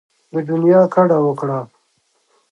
له دنیا کډه وکړه.